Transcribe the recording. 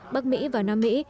bắc mỹ và nam mỹ